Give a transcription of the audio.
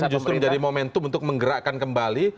jadi justru menjadi momentum untuk menggerakkan kembali